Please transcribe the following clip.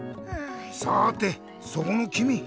さてそこのきみ！